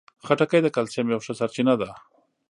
خټکی د کلسیم یوه ښه سرچینه ده.